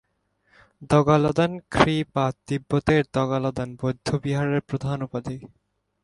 দ্গা'-ল্দান-খ্রি-পা তিব্বতের দ্গা'-ল্দান বৌদ্ধবিহারের প্রধানের উপাধি।